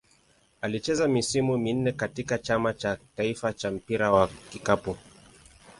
Alicheza misimu minne katika Chama cha taifa cha mpira wa kikapu.